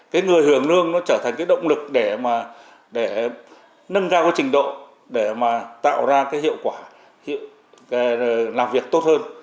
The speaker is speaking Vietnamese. cái người hưởng lương nó trở thành cái động lực để mà để nâng cao trình độ để mà tạo ra cái hiệu quả làm việc tốt hơn